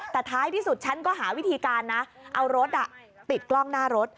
แต่ท้ายที่สุดฉันก็หาวิธีการนะเอารถติดกล้องหน้ารถ